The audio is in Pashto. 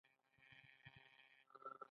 د نجونو تعلیم د ماشومانو روغتیا ساتي.